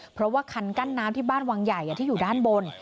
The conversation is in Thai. เพราะว่าคันกั้นน้ำที่บ้านวังใหญ่ที่อยู่ด้านบน